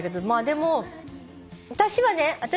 まあでも私はね